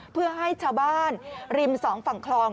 เพื่อให้ชาวบ้านริมสองฝั่งคลอง